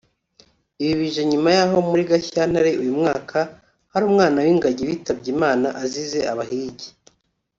Ibi bije nyuma y’aho muri Gashyantare uyu mwaka hari umwana w’ingagi witabye Imana azize abahigi